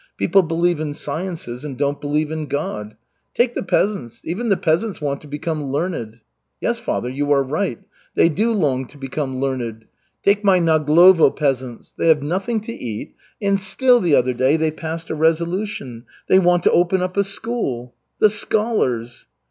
People believe in sciences and don't believe in God. Take the peasants even the peasants want to become learned." "Yes, Father, you are right. They do long to become learned. Take my Naglovo peasants. They have nothing to eat, and still the other day they passed a resolution they want to open up a school. The scholars!"